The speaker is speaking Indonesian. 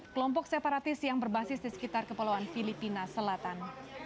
kelompok separatis yang berbasis di sekitar kepulauan filipina selatan